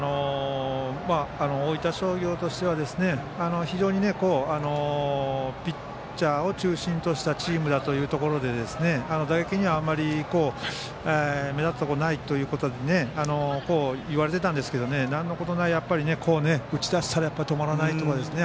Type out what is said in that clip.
大分商業としては非常に、ピッチャーを中心としたチームだというところで打撃にはあまり目立つところがないといわれていたんですが打ち出したら止まらないですね。